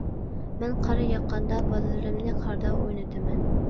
مەن قار ياغقاندا بالىلىرىمنى قاردا ئوينىتىمەن.